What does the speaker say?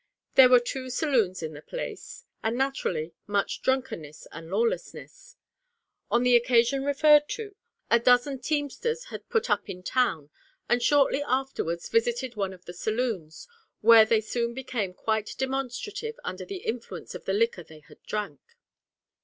There were two saloons in the place, and, naturally, much drunkenness and lawlessness. On the occasion referred to, a dozen teamsters had put up in town, and shortly afterwards visited one of the saloons, where they soon became quite demonstrative under the influence of the liquor they had drank.